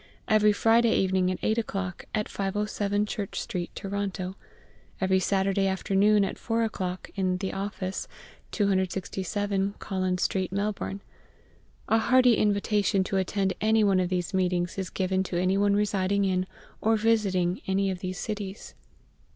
Every Friday evening at 8 o'clock, at 507 Church Street, Toronto. Every Saturday afternoon at 4 o'clock, in the Office, 267 Collins Street, Melbourne. A hearty invitation to attend any one of these meetings is given to any one residing in or visiting any of these cities.